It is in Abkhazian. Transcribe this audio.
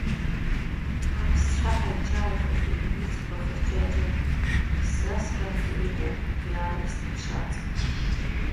Аԥсцәаҳа иҿааихахьеит ицқәа хырџьаџьа, исзасрангьы иҟоуп иаарласны ԥшак.